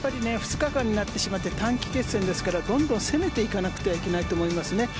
２日間になってしまって短期決戦ですからどんどん攻めていかないといけないと思います。